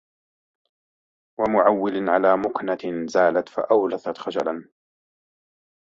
وَمُعَوِّلٍ عَلَى مُكْنَةٍ زَالَتْ فَأَوْرَثَتْ خَجَلًا